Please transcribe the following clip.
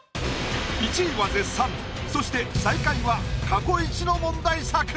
１位は絶賛そして最下位は過去一の問題作！